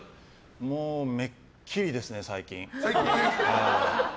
めっきりですね、最近。